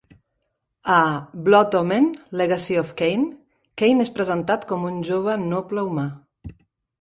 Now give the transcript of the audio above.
A "Blood Omen: Legacy of Kain", Kain és presentat com un jove noble humà.